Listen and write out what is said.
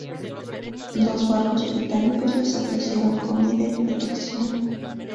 Dos barcos británicos les ofrecieron comida y protección.